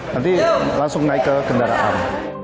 nanti langsung naik ke kendaraan